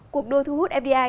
cuộc đua thu hút fdi